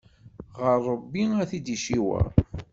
Ɣer Ṛebbi ad t-id-iciweṛ.